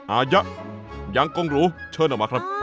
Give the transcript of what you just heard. อายะยังกงหรูเชิญออกมาครับ